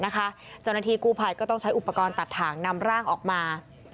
เจ้าหน้าที่กู้ภัยก็ต้องใช้อุปกรณ์ตัดถ่างนำร่างออกมา